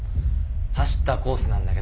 走ったコースなんだけど。